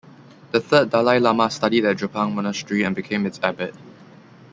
The third Dalai Lama studied at Drepung Monastery and became its abbot.